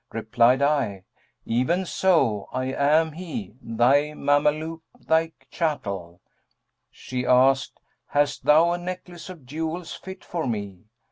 Replied I, 'Even so! I am he, thy Mameluke, thy chattel.' She asked, 'Hast thou a necklace of jewels fit for me?'